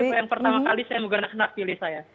ini yang pertama kali saya menggunakan hak pilih saya